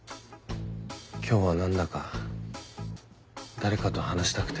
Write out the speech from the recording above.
今日は何だか誰かと話したくて。